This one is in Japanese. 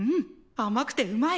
あまくてうまい！